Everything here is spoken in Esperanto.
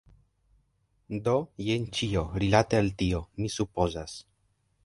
Do, jen ĉio, rilate al tio. Mi supozas.